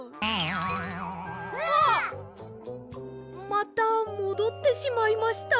またもどってしまいました。